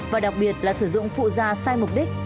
và đặc biệt là sử dụng phụ da sai mục đích